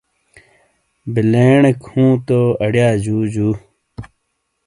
بلیݨک ہوں تو اریا جو جو۔